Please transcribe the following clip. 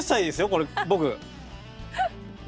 これ僕。